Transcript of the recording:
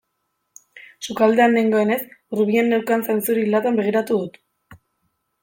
Sukaldean nengoenez hurbilen neukan zainzuri latan begiratu dut.